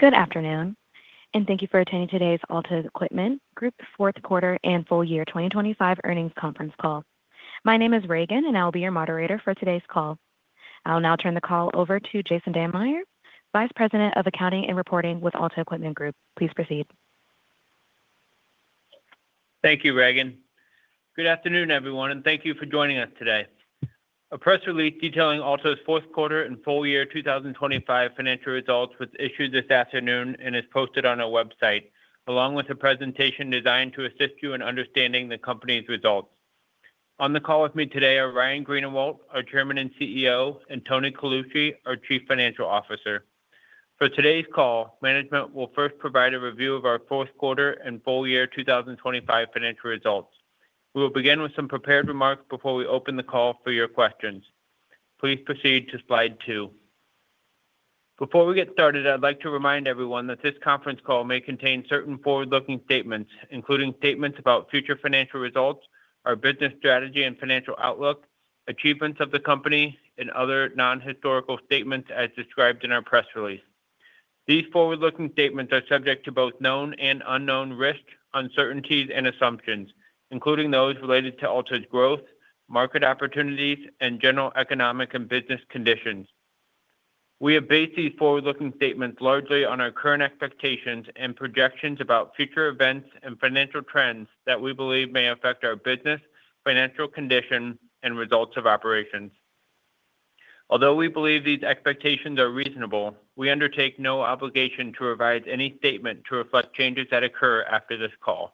Good afternoon. Thank you for attending today's Alta Equipment Group Fourth Quarter and Full Year 2025 earnings conference call. My name is Reagan. I'll be your moderator for today's call. I'll now turn the call over to Jason Dammeyer, Vice President of Accounting and Reporting with Alta Equipment Group. Please proceed. Thank you, Reagan. Good afternoon, everyone, and thank you for joining us today. A press release detailing Alta's fourth quarter and full year 2025 financial results was issued this afternoon and is posted on our website, along with a presentation designed to assist you in understanding the company's results. On the call with me today are Ryan Greenawalt, our Chairman and CEO, and Tony Colucci, our Chief Financial Officer. For today's call, management will first provide a review of our fourth quarter and full year 2025 financial results. We will begin with some prepared remarks before we open the call for your questions. Please proceed to slide 2. Before we get started, I'd like to remind everyone that this conference call may contain certain forward-looking statements, including statements about future financial results, our business strategy and financial outlook, achievements of the company, and other non-historical statements as described in our press release. These forward-looking statements are subject to both known and unknown risks, uncertainties and assumptions, including those related to Alta's growth, market opportunities, and general economic and business conditions. We have based these forward-looking statements largely on our current expectations and projections about future events and financial trends that we believe may affect our business, financial condition and results of operations. Although we believe these expectations are reasonable, we undertake no obligation to revise any statement to reflect changes that occur after this call.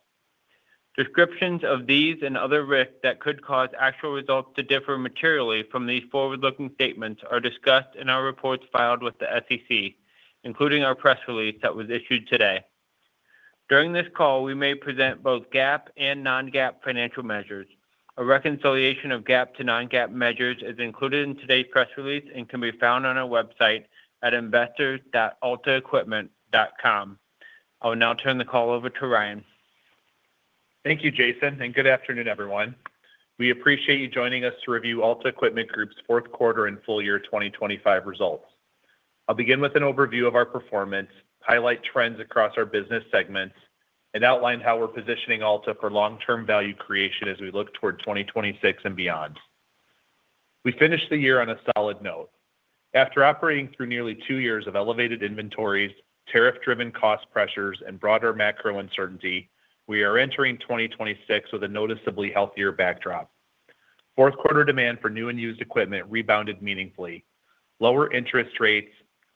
Descriptions of these and other risks that could cause actual results to differ materially from these forward-looking statements are discussed in our reports filed with the SEC, including our press release that was issued today. During this call, we may present both GAAP and non-GAAP financial measures. A reconciliation of GAAP to non-GAAP measures is included in today's press release and can be found on our website at investors.altaequipment.com. I will now turn the call over to Ryan. Thank you, Jason, and good afternoon, everyone. We appreciate you joining us to review Alta Equipment Group's fourth quarter and full year 2025 results. I'll begin with an overview of our performance, highlight trends across our business segments, and outline how we're positioning Alta for long-term value creation as we look toward 2026 and beyond. We finished the year on a solid note. After operating through nearly 2 years of elevated inventories, tariff-driven cost pressures, and broader macro uncertainty, we are entering 2026 with a noticeably healthier backdrop. Fourth quarter demand for new and used equipment rebounded meaningfully. Lower interest rates,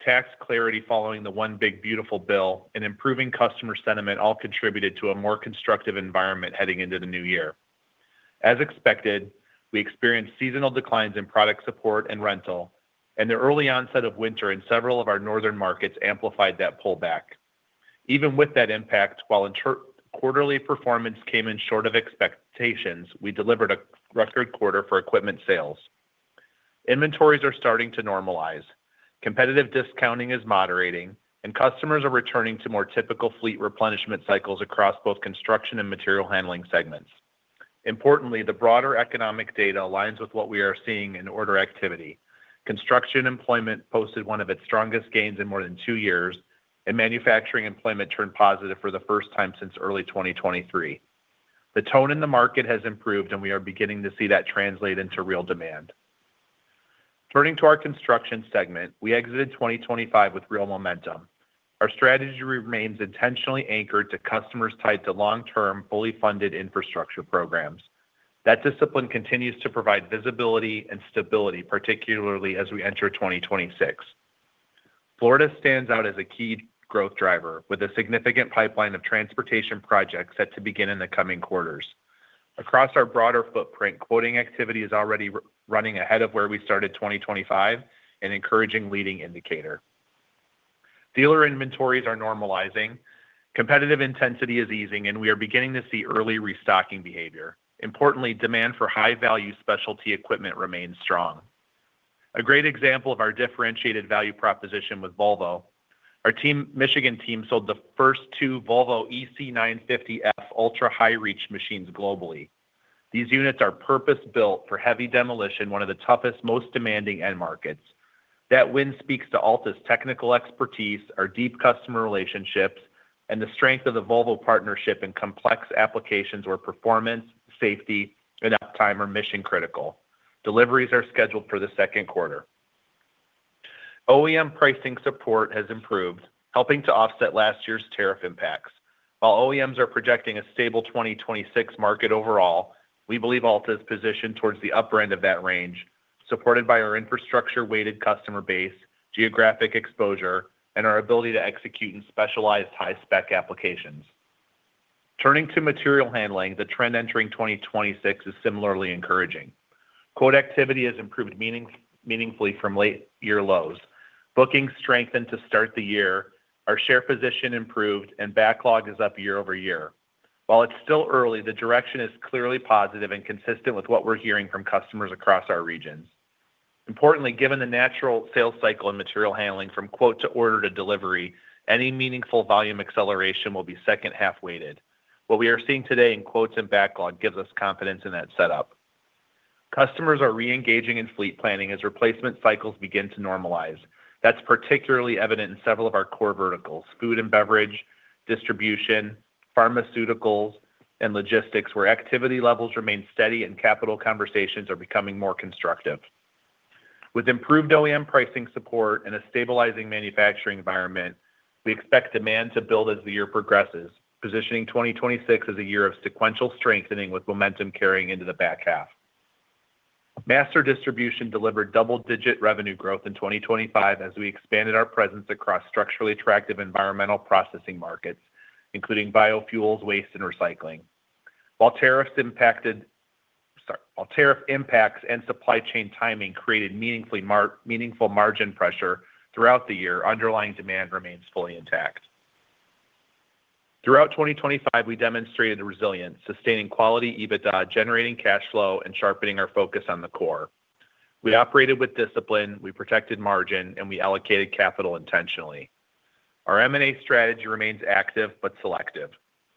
tax clarity following the One Big Beautiful Bill, and improving customer sentiment all contributed to a more constructive environment heading into the new year. As expected, we experienced seasonal declines in product support and rental, and the early onset of winter in several of our northern markets amplified that pullback. Even with that impact, while quarterly performance came in short of expectations, we delivered a record quarter for equipment sales. Inventories are starting to normalize. Competitive discounting is moderating, and customers are returning to more typical fleet replenishment cycles across both construction and material handling segments. Importantly, the broader economic data aligns with what we are seeing in order activity. Construction employment posted one of its strongest gains in more than two years, and manufacturing employment turned positive for the first time since early 2023. The tone in the market has improved, and we are beginning to see that translate into real demand. Turning to our construction segment, we exited 2025 with real momentum. Our strategy remains intentionally anchored to customers tied to long-term, fully funded infrastructure programs. That discipline continues to provide visibility and stability, particularly as we enter 2026. Florida stands out as a key growth driver, with a significant pipeline of transportation projects set to begin in the coming quarters. Across our broader footprint, quoting activity is already running ahead of where we started 2025, an encouraging leading indicator. Dealer inventories are normalizing. Competitive intensity is easing, and we are beginning to see early restocking behavior. Importantly, demand for high-value specialty equipment remains strong. A great example of our differentiated value proposition with Volvo. Our Michigan team sold the first two Volvo EC950F ultra high-reach machines globally. These units are purpose-built for heavy demolition, one of the toughest, most demanding end markets. That win speaks to Alta's technical expertise, our deep customer relationships, and the strength of the Volvo partnership in complex applications where performance, safety, and uptime are mission-critical. Deliveries are scheduled for the second quarter. OEM pricing support has improved, helping to offset last year's tariff impacts. OEMs are projecting a stable 2026 market overall, we believe Alta is positioned towards the upper end of that range, supported by our infrastructure-weighted customer base, geographic exposure, and our ability to execute in specialized high-spec applications. Turning to material handling, the trend entering 2026 is similarly encouraging. Quote activity has improved meaningfully from late year lows. Bookings strengthened to start the year. Our share position improved and backlog is up year-over-year. It's still early, the direction is clearly positive and consistent with what we're hearing from customers across our regions. Importantly, given the natural sales cycle and material handling from quote to order to delivery, any meaningful volume acceleration will be second half-weighted. What we are seeing today in quotes and backlog gives us confidence in that setup. Customers are reengaging in fleet planning as replacement cycles begin to normalize. That's particularly evident in several of our core verticals: food and beverage distribution, pharmaceuticals, and logistics, where activity levels remain steady and capital conversations are becoming more constructive. With improved OEM pricing support and a stabilizing manufacturing environment, we expect demand to build as the year progresses, positioning 2026 as a year of sequential strengthening with momentum carrying into the back half. Master distribution delivered double-digit revenue growth in 2025 as we expanded our presence across structurally attractive environmental processing markets, including biofuels, waste, and recycling. While tariffs impacted. Sorry. While tariff impacts and supply chain timing created meaningful margin pressure throughout the year, underlying demand remains fully intact. Throughout 2025, we demonstrated resilience, sustaining quality EBITDA, generating cash flow, and sharpening our focus on the core. We operated with discipline, we protected margin, and we allocated capital intentionally. Our M&A strategy remains active but selective.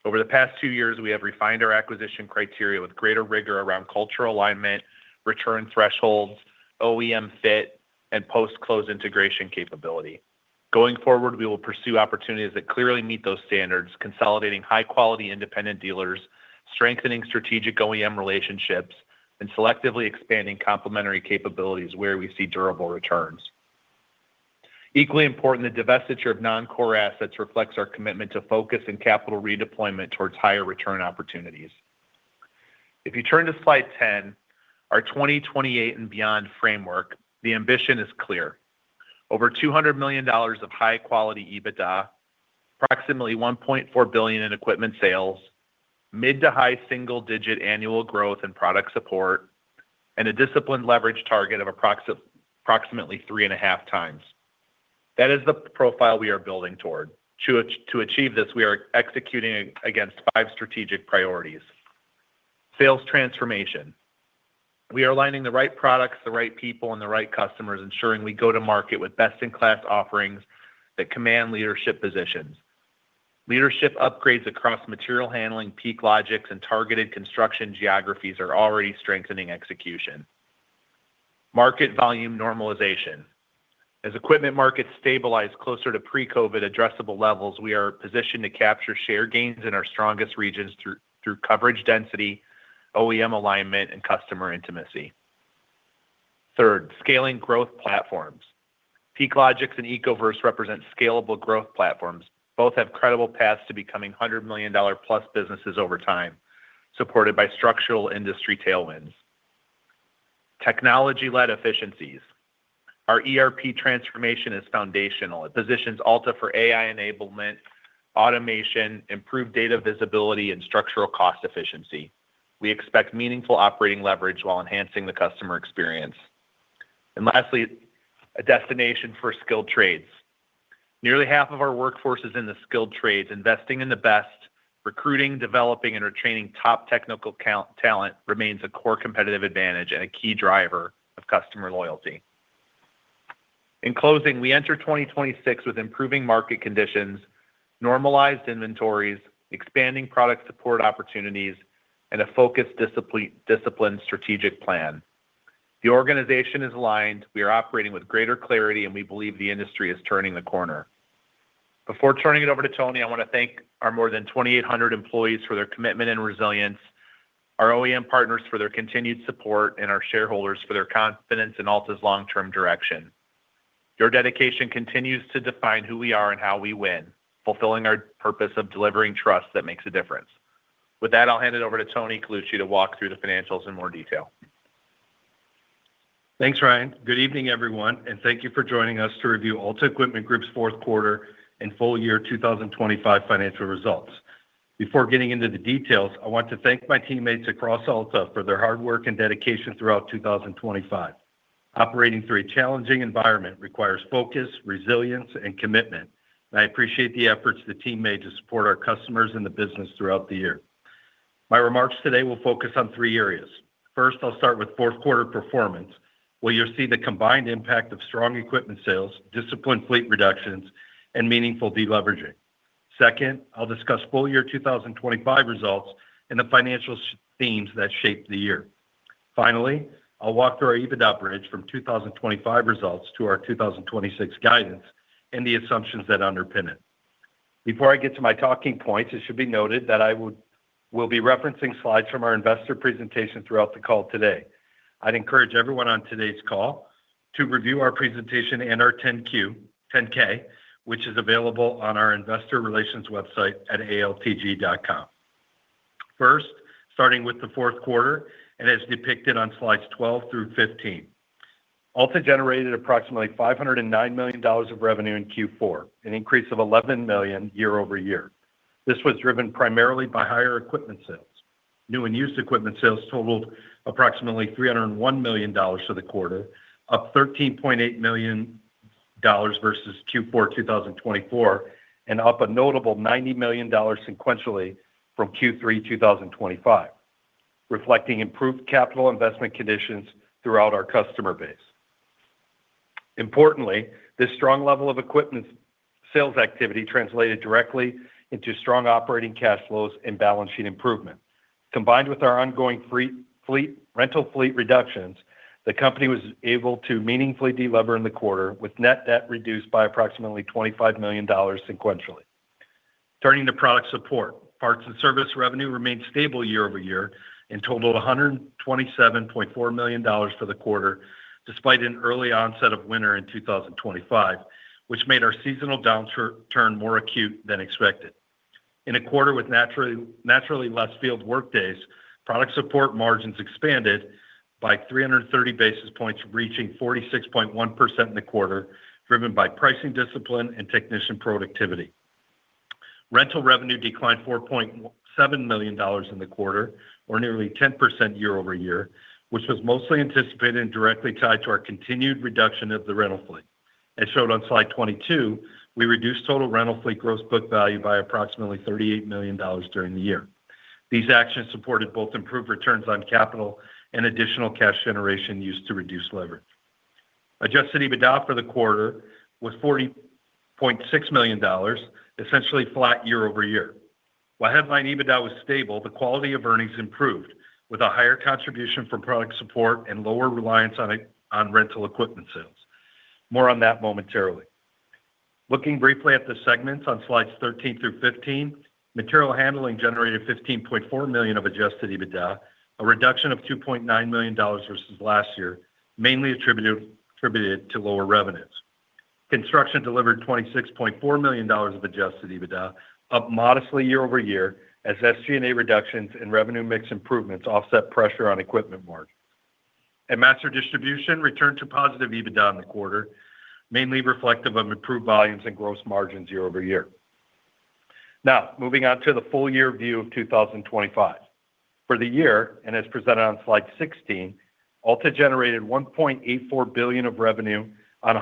Over the past two years, we have refined our acquisition criteria with greater rigor around cultural alignment, return thresholds, OEM fit, and post-close integration capability. Going forward, we will pursue opportunities that clearly meet those standards, consolidating high-quality independent dealers, strengthening strategic OEM relationships, and selectively expanding complementary capabilities where we see durable returns. Equally important, the divestiture of non-core assets reflects our commitment to focus and capital redeployment towards higher return opportunities. If you turn to slide 10, our 2028 and beyond framework, the ambition is clear. Over $200 million of high-quality EBITDA, approximately $1.4 billion in equipment sales, mid to high single-digit annual growth and product support, a disciplined leverage target of approximately 3.5 times. That is the profile we are building toward. To achieve this, we are executing against five strategic priorities. Sales transformation. We are aligning the right products, the right people, and the right customers, ensuring we go to market with best-in-class offerings that command leadership positions. Leadership upgrades across material handling PeakLogix and targeted construction geographies are already strengthening execution. Market volume normalization. As equipment markets stabilize closer to pre-COVID addressable levels, we are positioned to capture share gains in our strongest regions through coverage density, OEM alignment, and customer intimacy. Third, scaling growth platforms. PeakLogix and Ecoverse represent scalable growth platforms. Both have credible paths to becoming $100 million-plus businesses over time, supported by structural industry tailwinds. Technology-led efficiencies. Our ERP transformation is foundational. It positions Alta for AI enablement, automation, improved data visibility, and structural cost efficiency. We expect meaningful operating leverage while enhancing the customer experience. Lastly, a destination for skilled trades. Nearly half of our workforce is in the skilled trades. Investing in the best, recruiting, developing and retraining top technical talent remains a core competitive advantage and a key driver of customer loyalty. In closing, we enter 2026 with improving market conditions, normalized inventories, expanding product support opportunities, and a focused discipline strategic plan. The organization is aligned. We are operating with greater clarity, and we believe the industry is turning the corner. Before turning it over to Tony, I want to thank our more than 2,800 employees for their commitment and resilience, our OEM partners for their continued support, and our shareholders for their confidence in Alta's long-term direction. Your dedication continues to define who we are and how we win, fulfilling our purpose of delivering trust that makes a difference. With that, I'll hand it over to Tony Colucci to walk through the financials in more detail. Thanks, Ryan. Good evening, everyone, and thank you for joining us to review Alta Equipment Group's fourth quarter and full year 2025 financial results. Before getting into the details, I want to thank my teammates across Alta for their hard work and dedication throughout 2025. Operating through a challenging environment requires focus, resilience, and commitment, and I appreciate the efforts the team made to support our customers and the business throughout the year. My remarks today will focus on three areas. First, I'll start with fourth quarter performance, where you'll see the combined impact of strong equipment sales, disciplined fleet reductions, and meaningful deleveraging. Second, I'll discuss full year 2025 results and the financial themes that shaped the year. Finally, I'll walk through our EBITDA bridge from 2025 results to our 2026 guidance and the assumptions that underpin it. Before I get to my talking points, it should be noted that I will be referencing slides from our investor presentation throughout the call today. I'd encourage everyone on today's call to review our presentation and our 10-Q, 10-K, which is available on our investor relations website at altg.com. Starting with the fourth quarter and as depicted on slides 12 through 15. Alta generated approximately $509 million of revenue in Q4, an increase of $11 million year-over-year. This was driven primarily by higher equipment sales. New and used equipment sales totaled approximately $301 million for the quarter, up $13.8 million versus Q4 2024, and up a notable $90 million sequentially from Q3 2025, reflecting improved capital investment conditions throughout our customer base. Importantly, this strong level of equipment sales activity translated directly into strong operating cash flows and balance sheet improvement. Combined with our ongoing rental fleet reductions, the company was able to meaningfully delever in the quarter, with net debt reduced by approximately $25 million sequentially. Turning to product support. Parts and service revenue remained stable year-over-year and totaled $127.4 million for the quarter, despite an early onset of winter in 2025, which made our seasonal downturn more acute than expected. In a quarter with naturally less field workdays, product support margins expanded by 330 basis points, reaching 46.1% in the quarter, driven by pricing discipline and technician productivity. Rental revenue declined $4.7 million in the quarter, or nearly 10% year-over-year, which was mostly anticipated and directly tied to our continued reduction of the rental fleet. As shown on slide 22, we reduced total rental fleet gross book value by approximately $38 million during the year. These actions supported both improved returns on capital and additional cash generation used to reduce leverage. Adjusted EBITDA for the quarter was $40.6 million, essentially flat year-over-year. While headline EBITDA was stable, the quality of earnings improved, with a higher contribution from product support and lower reliance on rental equipment sales. More on that momentarily. Looking briefly at the segments on slides 13 through 15, material handling generated $15.4 million of adjusted EBITDA, a reduction of $2.9 million versus last year, mainly attributed to lower revenues. Construction delivered $26.4 million of adjusted EBITDA, up modestly year-over-year as SG&A reductions and revenue mix improvements offset pressure on equipment margin. Master distribution returned to positive EBITDA in the quarter, mainly reflective of improved volumes and gross margins year-over-year. Now, moving on to the full year view of 2025. For the year, and as presented on slide 16, Alta generated $1.84 billion of revenue and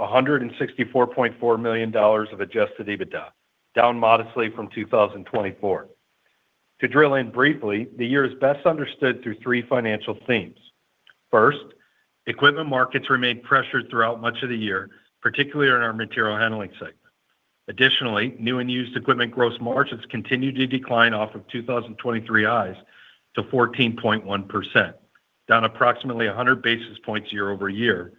$164.4 million of adjusted EBITDA, down modestly from 2024. To drill in briefly, the year is best understood through three financial themes. First, equipment markets remained pressured throughout much of the year, particularly in our material handling segment. Additionally, new and used equipment gross margins continued to decline off of 2023 highs to 14.1%, down approximately 100 basis points year-over-year,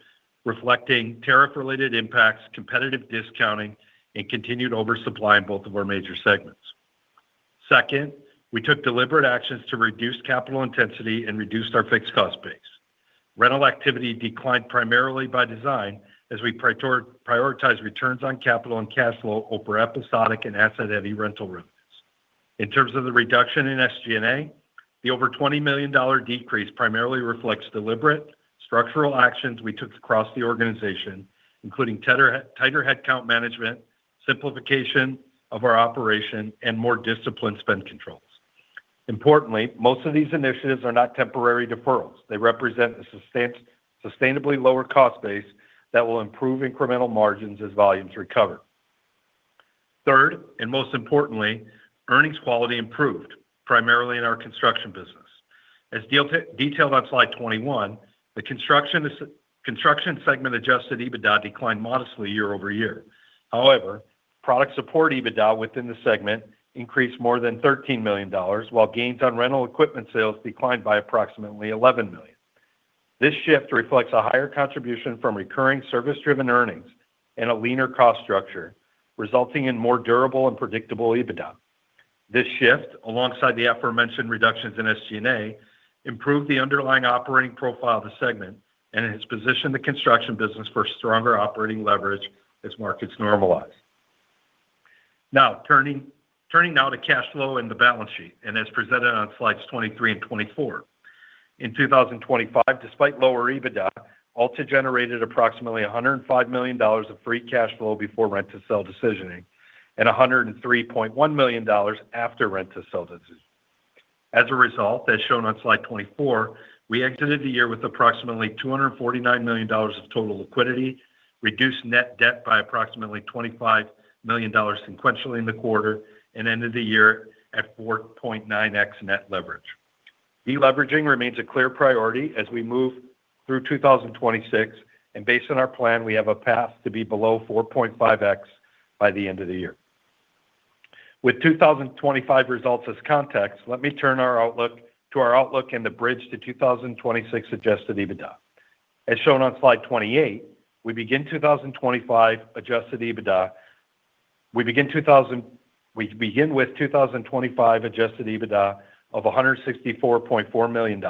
reflecting tariff-related impacts, competitive discounting, and continued oversupply in both of our major segments. Second, we took deliberate actions to reduce capital intensity and reduced our fixed cost base. Rental activity declined primarily by design as we prioritized returns on capital and cash flow over episodic and asset-heavy rental revenues. In terms of the reduction in SG&A, the over $20 million decrease primarily reflects deliberate structural actions we took across the organization, including tighter headcount management, simplification of our operation, and more disciplined spend controls. Importantly, most of these initiatives are not temporary deferrals. They represent a sustainably lower cost base that will improve incremental margins as volumes recover. Third, and most importantly, earnings quality improved primarily in our construction business. As detailed on slide 21, the construction segment adjusted EBITDA declined modestly year-over-year. However, product support EBITDA within the segment increased more than $13 million, while gains on rental equipment sales declined by approximately $11 million. This shift reflects a higher contribution from recurring service-driven earnings and a leaner cost structure, resulting in more durable and predictable EBITDA. This shift, alongside the aforementioned reductions in SG&A, improved the underlying operating profile of the segment and has positioned the construction business for stronger operating leverage as markets normalize. Now, turning now to cash flow and the balance sheet, and as presented on slides 23 and 24. In 2025, despite lower EBITDA, Alta generated approximately $105 million of free cash flow before rent to sell decisioning and $103.1 million after rent to sell decision. As a result, as shown on slide 24, we exited the year with approximately $249 million of total liquidity, reduced net debt by approximately $25 million sequentially in the quarter, and ended the year at 4.9x net leverage. Deleveraging remains a clear priority as we move through 2026, and based on our plan, we have a path to be below 4.5x by the end of the year. With 2025 results as context, let me turn to our outlook and the bridge to 2026 adjusted EBITDA. As shown on slide 28, we begin with 2025 adjusted EBITDA of $164.4 million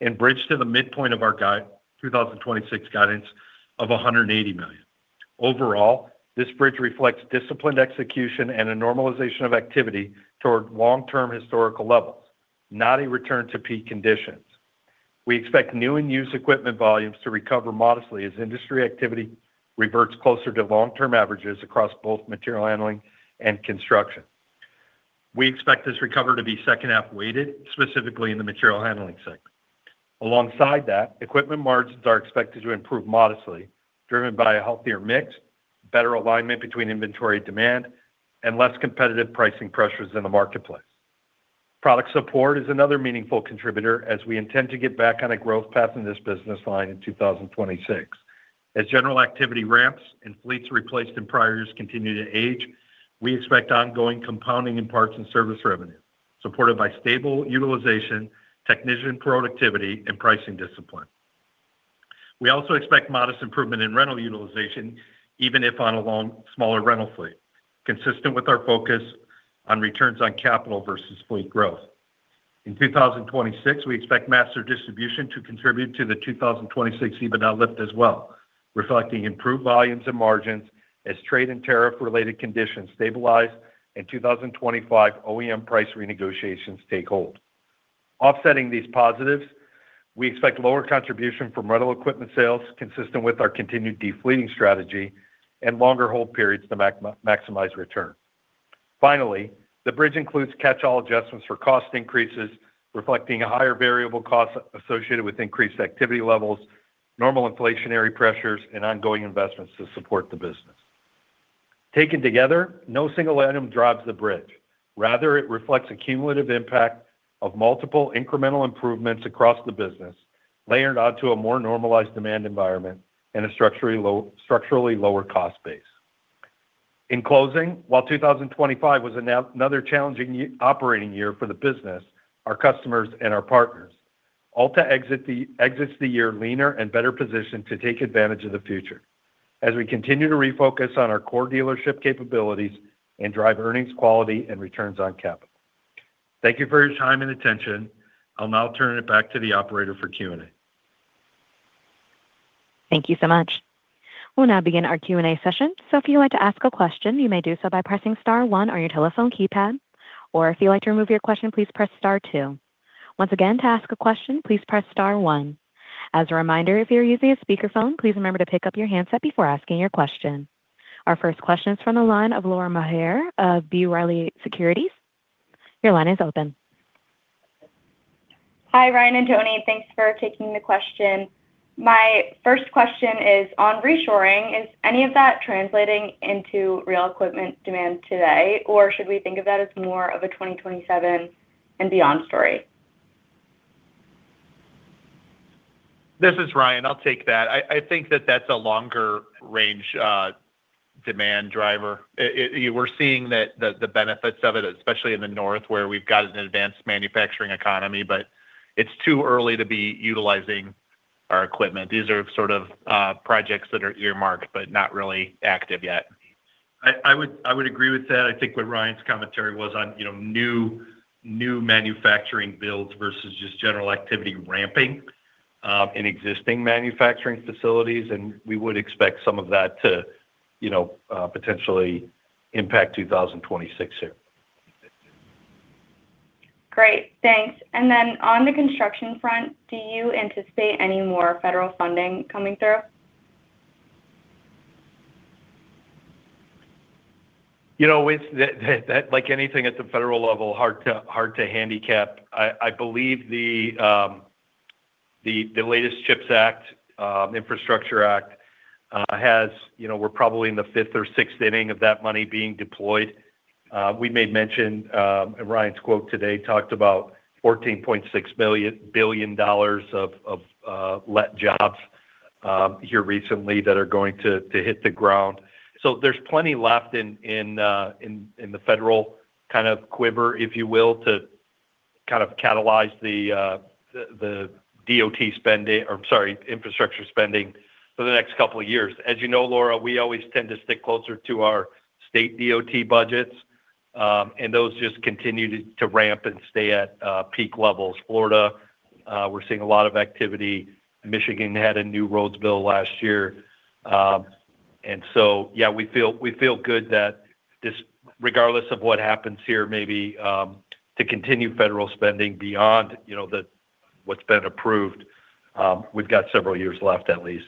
and bridge to the midpoint of our 2026 guidance of $180 million. Overall, this bridge reflects disciplined execution and a normalization of activity toward long-term historical levels, not a return to peak conditions. We expect new and used equipment volumes to recover modestly as industry activity reverts closer to long-term averages across both material handling and construction. We expect this recovery to be second half-weighted, specifically in the material handling segment. Alongside that, equipment margins are expected to improve modestly, driven by a healthier mix, better alignment between inventory demand, and less competitive pricing pressures in the marketplace. Product support is another meaningful contributor as we intend to get back on a growth path in this business line in 2026. As general activity ramps and fleets replaced in prior years continue to age, we expect ongoing compounding in parts and service revenue, supported by stable utilization, technician productivity, and pricing discipline. We also expect modest improvement in rental utilization, even if on a long, smaller rental fleet, consistent with our focus on returns on capital versus fleet growth. In 2026, we expect master distribution to contribute to the 2026 EBITDA lift as well, reflecting improved volumes and margins as trade and tariff-related conditions stabilize and 2025 OEM price renegotiations take hold. Offsetting these positives, we expect lower contribution from rental equipment sales consistent with our continued defleeting strategy and longer hold periods to maximize return. The bridge includes catch-all adjustments for cost increases, reflecting higher variable costs associated with increased activity levels, normal inflationary pressures, and ongoing investments to support the business. Taken together, no single item drives the bridge. Rather, it reflects a cumulative impact of multiple incremental improvements across the business, layered onto a more normalized demand environment and a structurally lower cost base. In closing, while 2025 was another challenging operating year for the business, our customers, and our partners, Alta exits the year leaner and better positioned to take advantage of the future as we continue to refocus on our core dealership capabilities and drive earnings quality and returns on capital. Thank you for your time and attention. I'll now turn it back to the operator for Q&A. Thank you so much. We'll now begin our Q&A session. If you'd like to ask a question, you may do so by pressing star one on your telephone keypad. If you'd like to remove your question, please press star two. Once again, to ask a question, please press star one. A reminder, if you're using a speakerphone, please remember to pick up your handset before asking your question. Our first question is from the line of Laura Maher of B. Riley Securities. Your line is open. Hi, Ryan and Tony. Thanks for taking the question. My first question is on reshoring. Is any of that translating into real equipment demand today, or should we think of that as more of a 2027 and beyond story? This is Ryan. I'll take that. I think that that's a longer range demand driver. We're seeing that the benefits of it, especially in the north where we've got an advanced manufacturing economy, but it's too early to be utilizing our equipment. These are sort of projects that are earmarked, but not really active yet. I would agree with that. I think what Ryan's commentary was on, you know, new manufacturing builds versus just general activity ramping in existing manufacturing facilities. We would expect some of that to, you know, potentially impact 2026 here. Great. Thanks. On the construction front, do you anticipate any more federal funding coming through? You know, it's like anything at the federal level, hard to handicap. I believe the latest CHIPS Act, Infrastructure Act, has, you know, we're probably in the fifth or sixth inning of that money being deployed. We made mention in Ryan's quote today, talked about $14.6 billion of let jobs here recently that are going to hit the ground. There's plenty left in the federal kind of quiver, if you will, to kind of catalyze the DOT spending or sorry, infrastructure spending for the next couple of years. As you know, Laura, we always tend to stick closer to our state DOT budgets, and those just continue to ramp and stay at peak levels. Florida, we're seeing a lot of activity. Michigan had a new roads bill last year. Yeah, we feel good that this regardless of what happens here, maybe, to continue federal spending beyond, you know, the what's been approved, we've got several years left at least.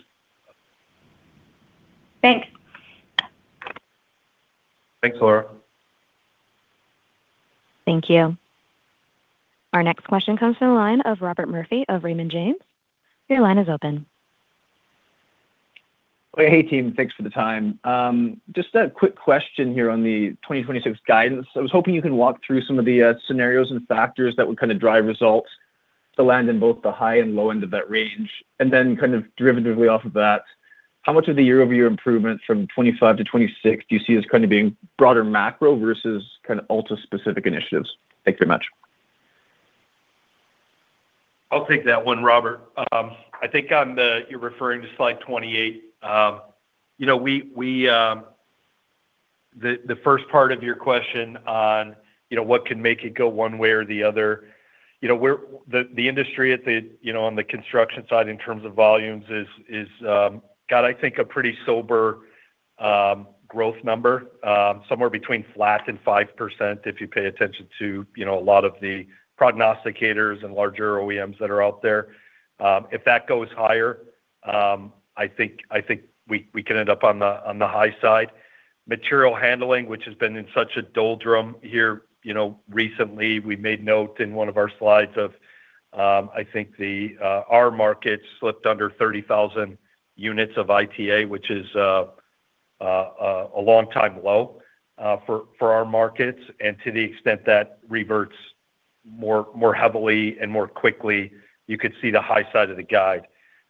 Thanks. Thanks, Laura. Thank you. Our next question comes from the line of Robert Murphy of Raymond James. Your line is open. Hey, team. Thanks for the time. Just a quick question here on the 2026 guidance. I was hoping you can walk through some of the scenarios and factors that would kind of drive results to land in both the high and low end of that range. Kind of derivatively off of that, how much of the year-over-year improvement from 25 to 26 do you see as kind of being broader macro versus kind of Alta-specific initiatives? Thanks very much. I'll take that one, Robert. I think you're referring to slide 28. You know, we, the first part of your question on, you know, what can make it go one way or the other, you know, the industry at the, you know, on the construction side in terms of volumes is got I think a pretty sober growth number, somewhere between flat and 5% if you pay attention to, you know, a lot of the prognosticators and larger OEMs that are out there. If that goes higher, I think we could end up on the high side. Material handling, which has been in such a doldrum here, you know, recently, we made note in one of our slides of, I think the, our market slipped under 30,000 units of ITA, which is a long time low for our markets. To the extent that reverts more heavily and more quickly, you could see the high side of the guide.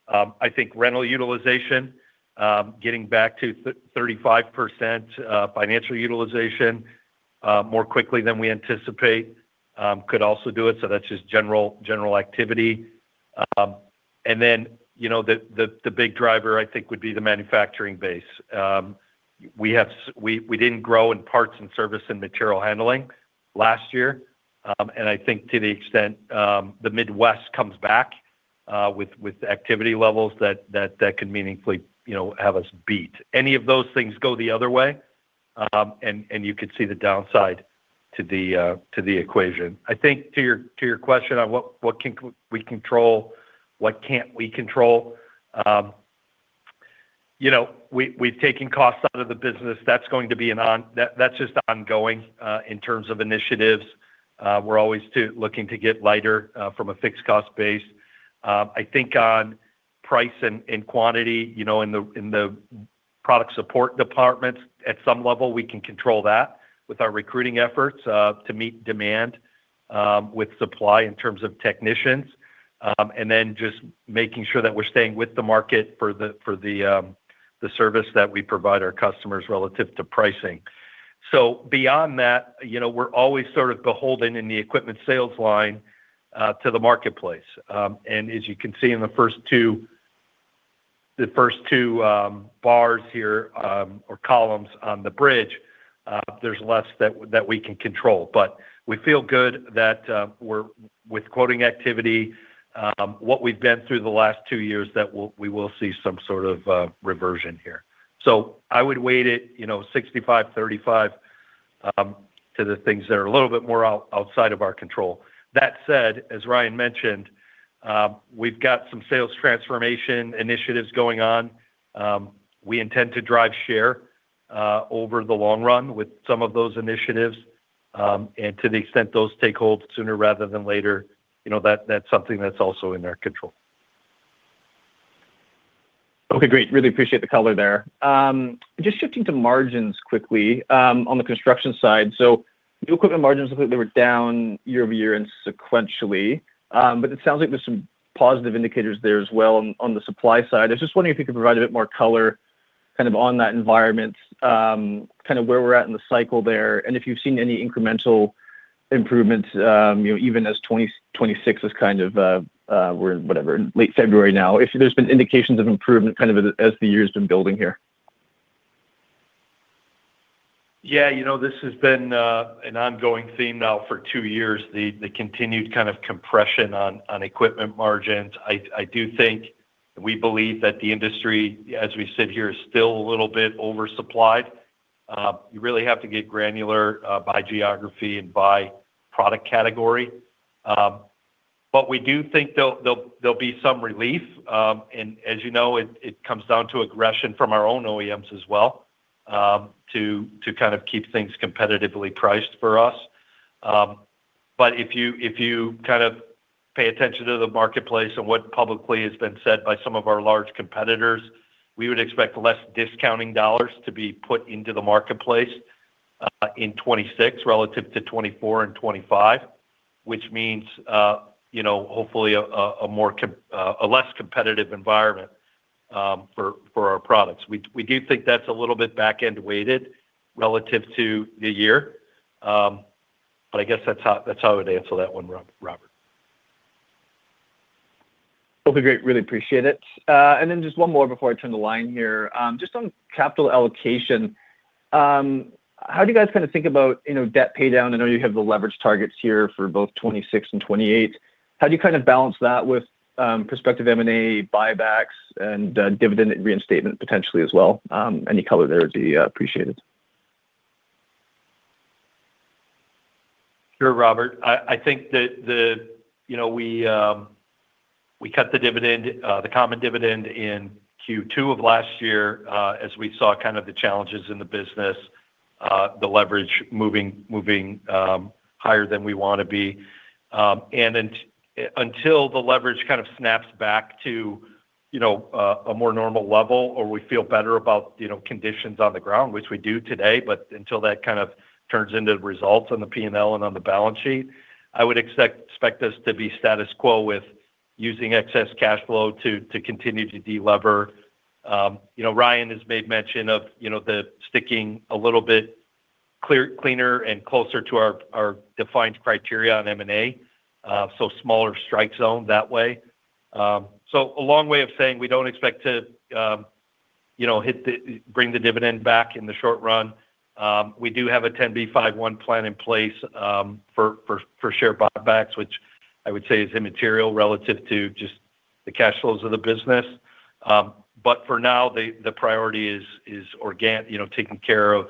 I think rental utilization, getting back to 35% financial utilization more quickly than we anticipate, could also do it. That's just general activity. You know, the big driver I think would be the manufacturing base. We didn't grow in parts and service and material handling last year. I think to the extent, the Midwest comes back, with activity levels that could meaningfully, you know, have us beat. Any of those things go the other way, and you could see the downside to the equation. I think to your question on what we control, what can't we control, you know, we've taken costs out of the business. That's going to be just ongoing in terms of initiatives. We're always looking to get lighter from a fixed cost base. I think on price and quantity, you know, in the product support departments, at some level, we can control that with our recruiting efforts to meet demand with supply in terms of technicians. Just making sure that we're staying with the market for the service that we provide our customers relative to pricing. Beyond that, you know, we're always sort of beholden in the equipment sales line to the marketplace. As you can see in the first two bars here, or columns on the bridge, there's less that we can control. We feel good that we're with quoting activity, what we've been through the last two years, that we will see some sort of reversion here. I would weight it, you know, 65, 35 to the things that are a little bit more outside of our control. That said, as Ryan mentioned, we've got some sales transformation initiatives going on. We intend to drive share, over the long run with some of those initiatives. To the extent those take hold sooner rather than later, you know, that's something that's also in our control. Okay, great. Really appreciate the color there. Just shifting to margins quickly on the construction side. New equipment margins look like they were down year-over-year and sequentially. It sounds like there's some positive indicators there as well on the supply side. I was just wondering if you could provide a bit more color kind of on that environment, kind of where we're at in the cycle there, and if you've seen any incremental improvements, you know, even as 2026 is kind of, we're in whatever, late February now. If there's been indications of improvement kind of as the year's been building here. Yeah. You know, this has been an ongoing theme now for 2 years, the continued kind of compression on equipment margins. I do think we believe that the industry as we sit here is still a little bit oversupplied. You really have to get granular by geography and by product category. We do think there'll be some relief. As you know, it comes down to aggression from our own OEMs as well, to kind of keep things competitively priced for us. If you kind of pay attention to the marketplace and what publicly has been said by some of our large competitors, we would expect less $ discounting dollars to be put into the marketplace in 2026 relative to 2024 and 2025. Which means, you know, hopefully a less competitive environment for our products. We do think that's a little bit back-end weighted relative to the year. I guess that's how I would answer that one, Robert. Okay, great. Really appreciate it. Then just one more before I turn the line here. Just on capital allocation, how do you guys kinda think about, you know, debt pay down? I know you have the leverage targets here for both 2026 and 2028. How do you kind of balance that with prospective M&A buybacks and dividend reinstatement potentially as well? Any color there would be appreciated. Sure, Robert. I think that. You know, we cut the dividend, the common dividend in Q2 of last year, as we saw kind of the challenges in the business, the leverage moving higher than we wanna be. Until the leverage kind of snaps back to, you know, a more normal level or we feel better about, you know, conditions on the ground, which we do today. Until that kind of turns into results on the P&L and on the balance sheet, I would expect us to be status quo with using excess cash flow to continue to de-lever. You know, Ryan has made mention of, you know, the sticking a little bit cleaner and closer to our defined criteria on M&A, so smaller strike zone that way. A long way of saying we don't expect to, you know, bring the dividend back in the short run. We do have a 10b5-1 plan in place, for share buybacks, which I would say is immaterial relative to just the cash flows of the business. For now, the priority is, you know, taking care of,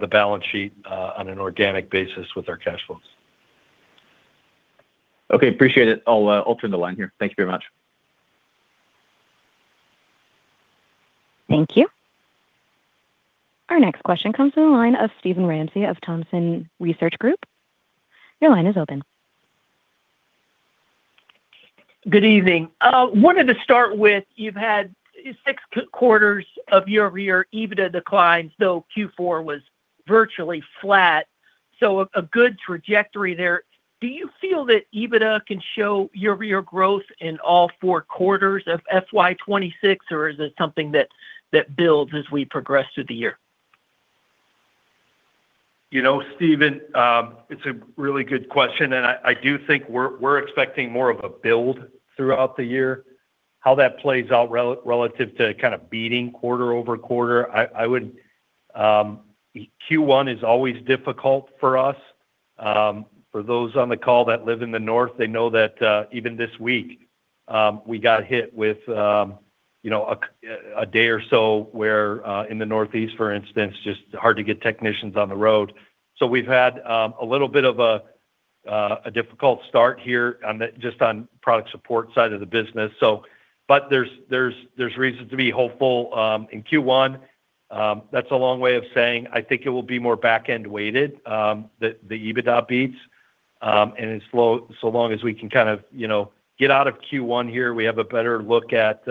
the balance sheet, on an organic basis with our cash flows. Okay. Appreciate it. I'll turn the line here. Thank you very much. Thank you. Our next question comes from the line of Steven Ramsey of Thompson Research Group. Your line is open. Good evening. wanted to start with you've had 6 quarters of year-over-year EBITDA declines, though Q4 was virtually flat. A good trajectory there. Do you feel that EBITDA can show year-over-year growth in all 4 quarters of FY 2026, or is it something that builds as we progress through the year? You know, Steven, it's a really good question, and I do think we're expecting more of a build throughout the year. How that plays out relative to kind of beating quarter-over-quarter, I would, Q1 is always difficult for us. For those on the call that live in the North, they know that even this week, we got hit with, you know, a day or so where in the Northeast, for instance, just hard to get technicians on the road. We've had a little bit of a difficult start here just on product support side of the business, so. There's reason to be hopeful in Q1. That's a long way of saying I think it will be more back-end weighted, the EBITDA beats. So long as we can kind of, you know, get out of Q1 here, we have a better look at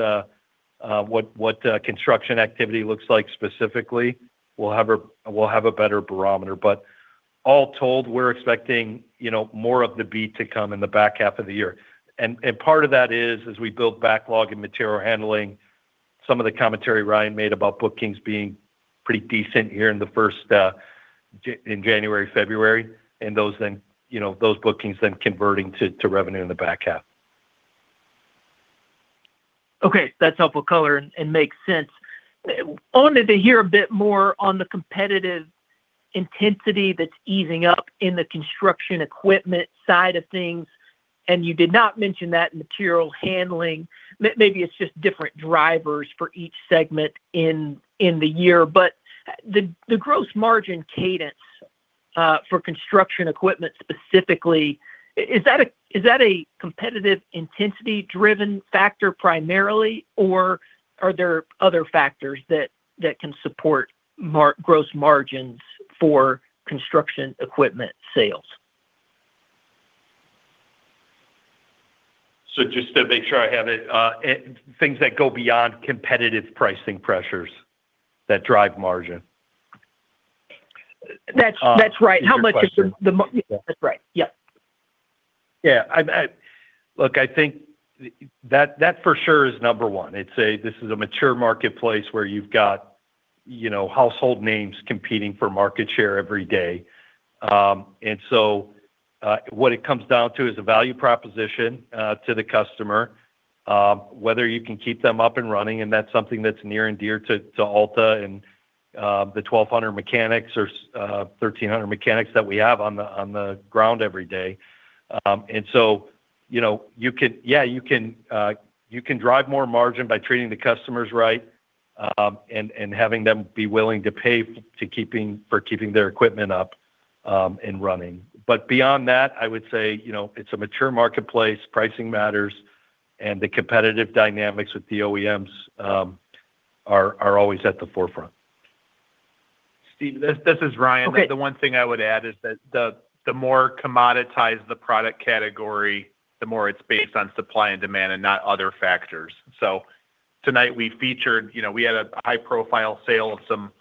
what construction activity looks like specifically. We'll have a better barometer. All told, we're expecting, you know, more of the beat to come in the back half of the year. Part of that is, as we build backlog in material handling, some of the commentary Ryan made about bookings being pretty decent here in the first in January, February, and those then, you know, those bookings then converting to revenue in the back half. Okay. That's helpful color and makes sense. Wanted to hear a bit more on the competitive intensity that's easing up in the construction equipment side of things, and you did not mention that in material handling. Maybe it's just different drivers for each segment in the year. The gross margin cadence for construction equipment specifically, is that a competitive intensity-driven factor primarily, or are there other factors that can support gross margins for construction equipment sales? Just to make sure I have it, things that go beyond competitive pricing pressures that drive margin? That's right. Good question. How much is the. That's right. Yep. Yeah. I.Look, I think that for sure is number one. This is a mature marketplace where you've got, you know, household names competing for market share every day. What it comes down to is the value proposition to the customer, whether you can keep them up and running, and that's something that's near and dear to Alta and the 1,200 mechanics or 1,300 mechanics that we have on the ground every day. You know, you can Yeah, you can drive more margin by treating the customers right and having them be willing to pay for keeping their equipment up and running. beyond that, I would say, you know, it's a mature marketplace, pricing matters, and the competitive dynamics with the OEMs are always at the forefront. Steve, this is Ryan. Okay. The one thing I would add is that the more commoditized the product category, the more it's based on supply and demand and not other factors. Tonight we featured, you know, we had a high-profile sale of some,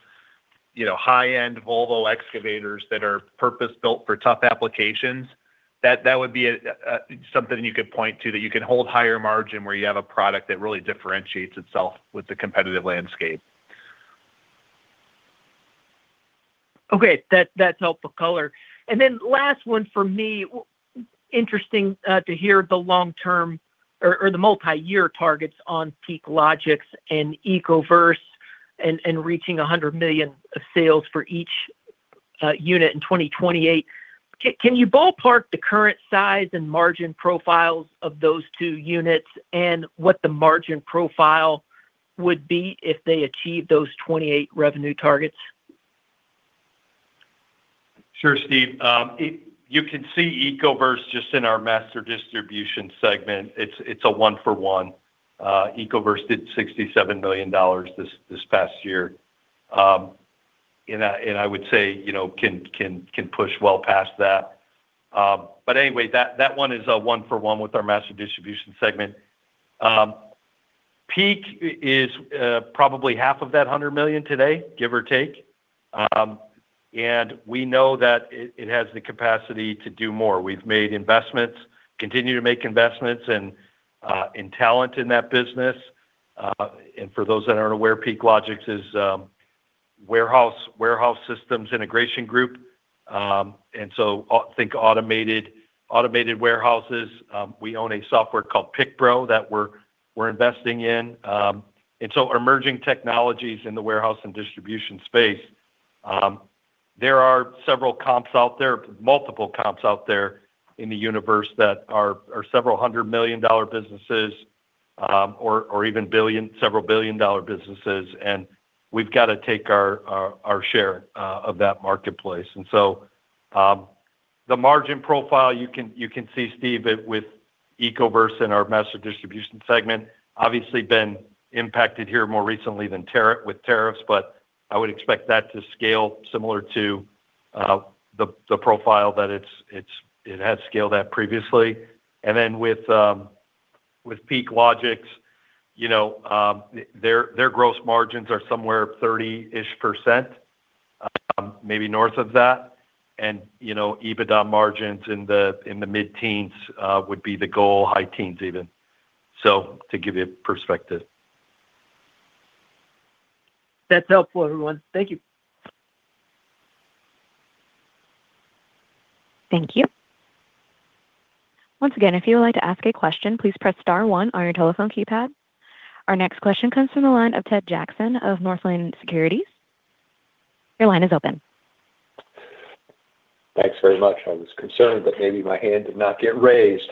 you know, high-end Volvo excavators that are purpose-built for tough applications. That would be something you could point to, that you can hold higher margin, where you have a product that really differentiates itself with the competitive landscape. Okay. That's helpful color. Last one from me. Interesting to hear the long-term or the multi-year targets on PeakLogix and Ecoverse and reaching $100 million of sales for each unit in 2028. Can you ballpark the current size and margin profiles of those two units and what the margin profile would be if they achieve those 2028 revenue targets? Sure, Steve. You can see Ecoverse just in our master distribution segment. It's a one for one. Ecoverse did $67 million this past year. I would say, you know, can push well past that. Anyway, that one is a one for one with our master distribution segment. Peak is probably half of that $100 million today, give or take. We know that it has the capacity to do more. We've made investments, continue to make investments in talent in that business. For those that aren't aware, PeakLogix is warehouse systems integration group. Think automated warehouses. We own a software called PickPro that we're investing in. Emerging technologies in the warehouse and distribution space. There are several comps out there, multiple comps out there in the universe that are $several hundred million businesses or $several billion businesses. We've got to take our share of that marketplace. The margin profile, you can see, Steve, it with Ecoverse in our master distribution segment, obviously been impacted here more recently with tariffs, but I would expect that to scale similar to the profile that it had scaled at previously. With PeakLogix, you know, their gross margins are somewhere 30%-ish, maybe north of that. You know, EBITDA margins in the mid-teens would be the goal, high teens even. To give you perspective. That's helpful, everyone. Thank you. Thank you. Once again, if you would like to ask a question, please press star one on your telephone keypad. Our next question comes from the line of Ted Jackson of Northland Securities. Your line is open. Thanks very much. I was concerned that maybe my hand did not get raised.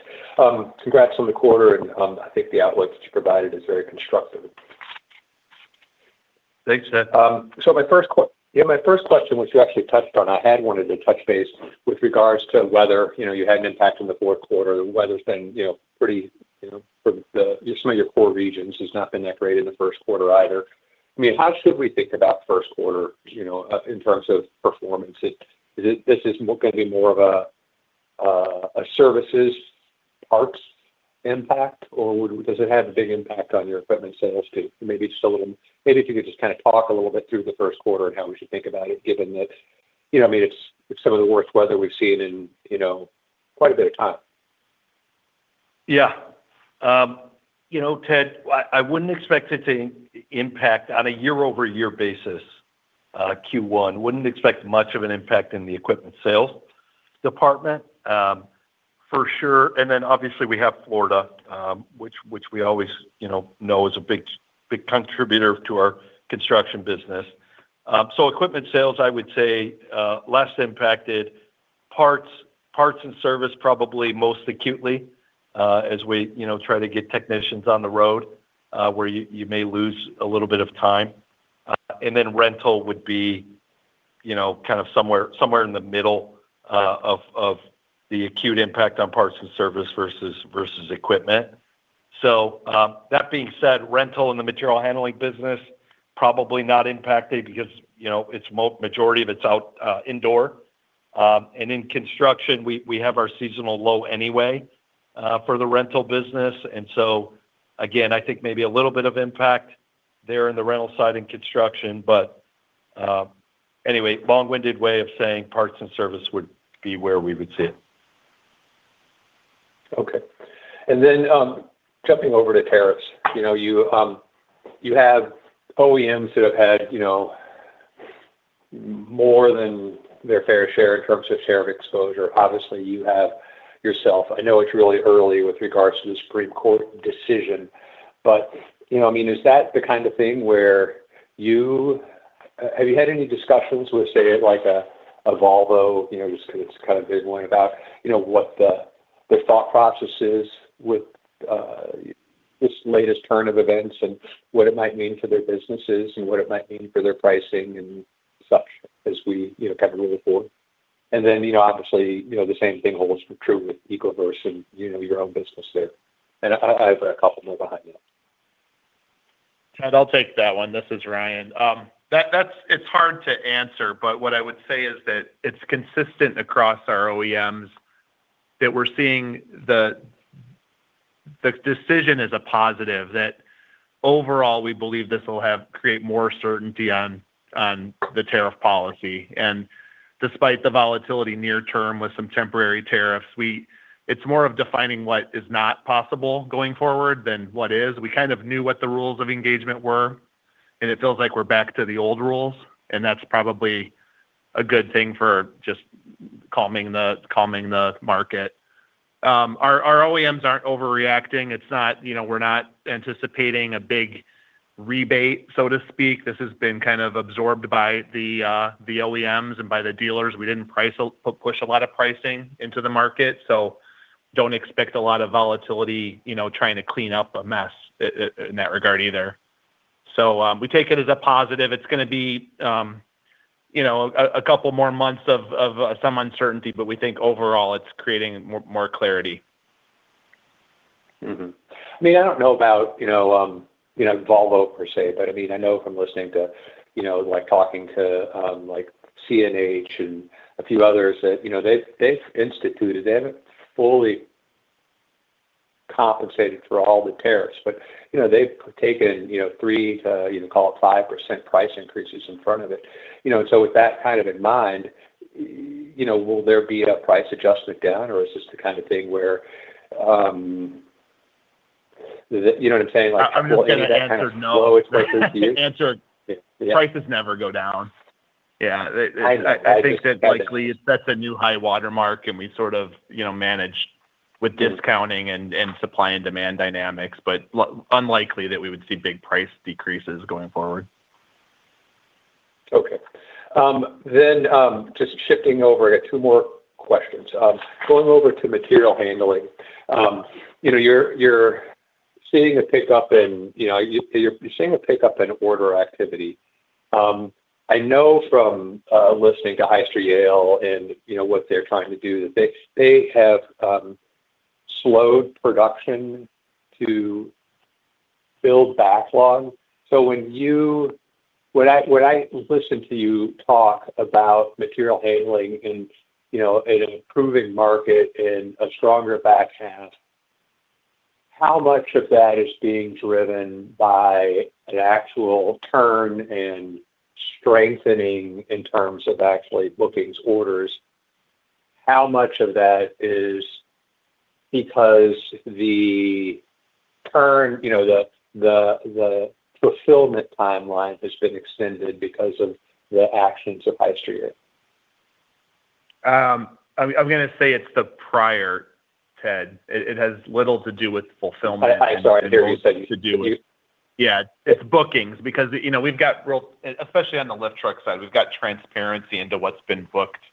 congrats on the quarter. I think the outlook that you provided is very constructive. Thanks, Ted. my first question, which you actually touched on, I had wanted to touch base with regards to weather. You know, you had an impact in the fourth quarter. The weather's been, you know, pretty, you know, for some of your core regions has not been that great in the first quarter either. I mean, how should we think about first quarter, you know, in terms of performance? This is gonna be more of a services parts impact, or does it have a big impact on your equipment sales too? Maybe just a little. Maybe if you could just kind of talk a little bit through the first quarter and how we should think about it, given that, you know, I mean, it's some of the worst weather we've seen in, you know, quite a bit of time. Yeah. you know, Ted, I wouldn't expect it to impact on a year-over-year basis, Q1. Wouldn't expect much of an impact in the equipment sales department, for sure. Obviously, we have Florida, which we always, you know is a big contributor to our construction business. Equipment sales, I would say, less impacted. Parts and service probably most acutely, as we, you know, try to get technicians on the road, where you may lose a little bit of time. Rental would be, you know, kind of somewhere in the middle of the acute impact on parts and service versus equipment. That being said, rental and the material handling business probably not impacted because, you know, it's majority of it's out indoor. In construction, we have our seasonal low anyway, for the rental business. Again, I think maybe a little bit of impact there in the rental side in construction. Anyway, long-winded way of saying parts and service would be where we would sit. Jumping over to tariffs. You know, you have OEMs that have had, you know, more than their fair share in terms of share of exposure. Obviously, you have yourself. I know it's really early with regards to the Supreme Court decision, but, you know, I mean, is that the kind of thing where you have you had any discussions with, say, like a Volvo, you know, just 'cause it's kind of a big one, about, you know, what the thought process is with this latest turn of events and what it might mean for their businesses and what it might mean for their pricing and such as we, you know, kind of move forward? You know, obviously, you know, the same thing holds true with Ecoverse and, you know, your own business there. I have a couple more behind that. Ted, I'll take that one. This is Ryan. That's hard to answer, but what I would say is that it's consistent across our OEMs that we're seeing the decision as a positive, that overall we believe this will create more certainty on the tariff policy. Despite the volatility near term with some temporary tariffs, it's more of defining what is not possible going forward than what is. We kind of knew what the rules of engagement were. It feels like we're back to the old rules. That's probably a good thing for just calming the market. Our OEMs aren't overreacting. You know, we're not anticipating a big rebate, so to speak. This has been kind of absorbed by the OEMs and by the dealers. We didn't price push a lot of pricing into the market. Don't expect a lot of volatility, you know, trying to clean up a mess in that regard either. We take it as a positive. It's gonna be, you know, a couple more months of some uncertainty, but we think overall it's creating more, more clarity. I mean, I don't know about, you know, you know, Volvo per se, but I mean, I know from listening to, you know, like talking to, like CNH and a few others that, you know, they've instituted, they haven't fully compensated for all the tariffs, but, you know, they've taken, you know, 3% to, you know, call it 5% price increases in front of it. With that kind of in mind, you know, will there be a price adjustment down, or is this the kind of thing where. You know what I'm saying? I'm just gonna answer no. Will any of that kind of flow its way to you? Answer, prices never go down. Yeah. I know. I think that likely it sets a new high water mark, and we sort of, you know, manage with discounting and supply and demand dynamics. Unlikely that we would see big price decreases going forward. Just shifting over. I got two more questions. Going over to material handling. You know, you're seeing a pickup in order activity. I know from listening to Hyster-Yale and, you know, what they're trying to do, that they have slowed production to build backlog. When I listen to you talk about material handling and, you know, an improving market and a stronger back half, how much of that is being driven by the actual turn and strengthening in terms of actually bookings orders? How much of that is because the turn, you know, the fulfillment timeline has been extended because of the actions of Hyster-Yale? I'm gonna say it's the prior, Ted. It has little to do with fulfillment. I sorry. I hear you said. Yeah, it's bookings because, you know, we've got real. Especially on the lift truck side, we've got transparency into what's been booked,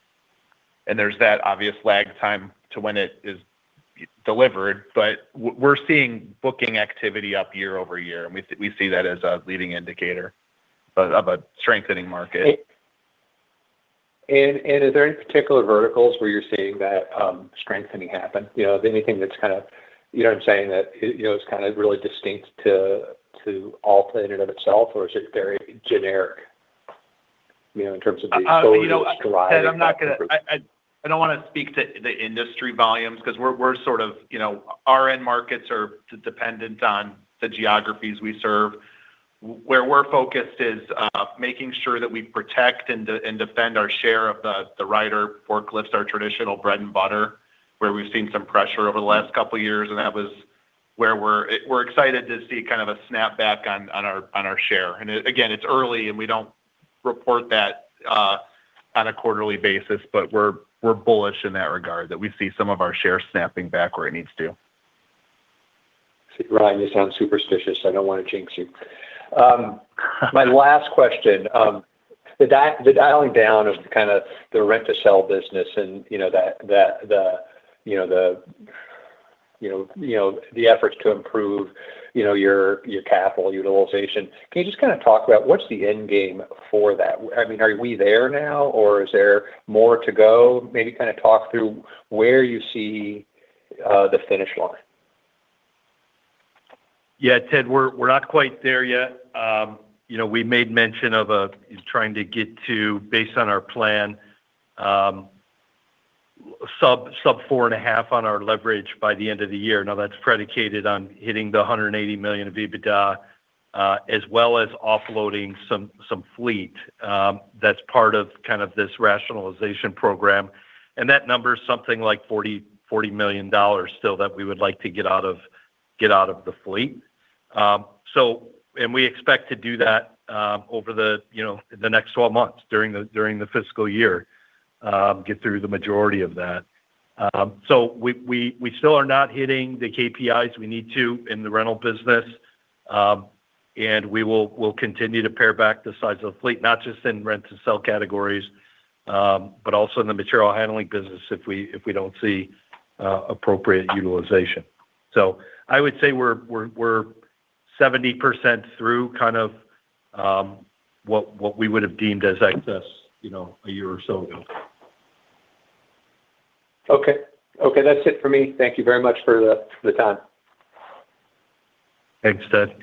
and there's that obvious lag time to when it is delivered. We're seeing booking activity up year-over-year, and we see that as a leading indicator of a strengthening market. Are there any particular verticals where you're seeing that strengthening happen? You know, anything that's kinda, you know what I'm saying, that, you know, is kinda really distinct to [Alta-play] in and of itself, or is it very generic, you know? You know, Ted, I don't wanna speak to the industry volumes because we're sort of, you know, our end markets are dependent on the geographies we serve. Where we're focused is making sure that we protect and defend our share of the rider forklifts, our traditional bread and butter, where we've seen some pressure over the last couple of years, and that was where we're excited to see kind of a snapback on our share. Again, it's early, and we don't report that on a quarterly basis. We're bullish in that regard, that we see some of our shares snapping back where it needs to. Ryan, you sound superstitious. I don't wanna jinx you. My last question. The dialing down of kinda the rent-to-sell business and, you know, the, the, you know, the, you know, you know the efforts to improve, you know, your capital utilization. Can you just kinda talk about what's the end game for that? I mean, are we there now, or is there more to go? Maybe kinda talk through where you see the finish line. Yeah, Ted. We're not quite there yet. You know, we made mention of trying to get to, based on our plan, sub 4.5 on our leverage by the end of the year. That's predicated on hitting the $180 million of EBITDA as well as offloading some fleet. That's part of kind of this rationalization program. That number is something like $40 million still that we would like to get out of the fleet. We expect to do that over the, you know, the next 12 months during the fiscal year, get through the majority of that. We still are not hitting the KPIs we need to in the rental business. We'll continue to pare back the size of the fleet, not just in rent-to-sell categories, but also in the material handling business if we don't see appropriate utilization. I would say we're 70% through kind of what we would have deemed as excess, you know, a year or so ago. Okay. That's it for me. Thank you very much for the time. Thanks, Ted.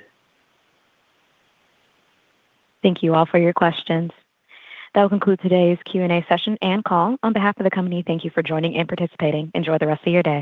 Thank you all for your questions. That will conclude today's Q&A session and call. On behalf of the company, thank you for joining and participating. Enjoy the rest of your day.